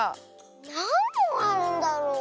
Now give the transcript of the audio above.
なんぼんあるんだろう。